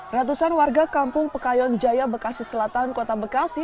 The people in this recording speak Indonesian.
ratusan warga kampung pekayon jaya bekasi selatan kota bekasi